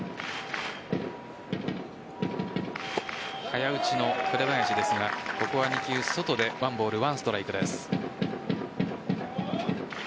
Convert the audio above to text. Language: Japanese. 早打ちの紅林ですがここは２球外で１ボール１ストライクです。